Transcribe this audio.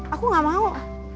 aku gak mau